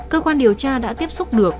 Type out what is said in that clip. cơ quan điều tra đã tiếp xúc được